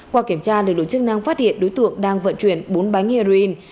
qua kiểm tra lực lượng chức năng phát hiện đối tượng đang vận chuyển bốn bánh heroin